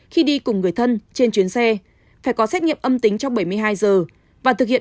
khi đi cùng người thân trên chuyến xe phải có xét nghiệm âm tính trong bảy mươi hai giờ và thực hiện